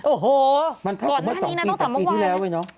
โอ้โฮมันเท่าของเมื่อ๒ปี๓ปีที่แล้วเนอะก่อนหน้านี้น่ะต้องต่ำกว่า